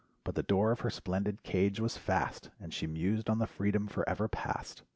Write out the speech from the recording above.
But the door of her splendid cage was fast And she mused on the freedom forever past.